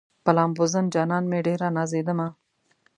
په لامبوزن جانان مې ډېره نازېدمه